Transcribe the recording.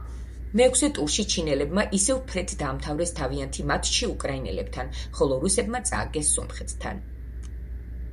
მეექვსე ტურში ჩინელებმა ისევ ფრედ დაამთავრეს თავიანთი მატჩი უკრაინელებთან, ხოლო რუსებმა წააგეს სომხეთთან.